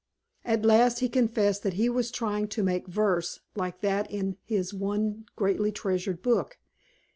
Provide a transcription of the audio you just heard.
"At last he confessed that he was trying to make verse like that in his one greatly treasured book.